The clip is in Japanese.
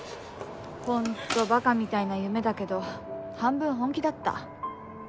本当馬鹿みたいな夢だけど半分本気だった。